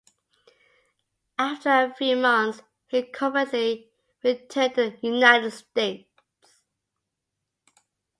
After a few months he covertly returned to the United States.